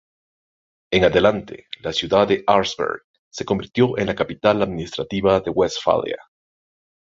En adelante, la ciudad de Arnsberg se convirtió en la capital administrativa de Westfalia.